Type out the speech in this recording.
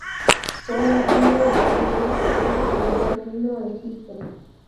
Fueron uno de los primeros pueblos en llevar vino a Egipto.